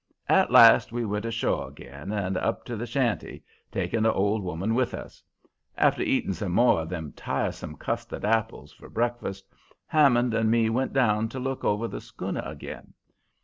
At last we went ashore agin and up to the shanty, taking the old woman with us. After eating some more of them tiresome custard apples for breakfast, Hammond and me went down to look over the schooner agin.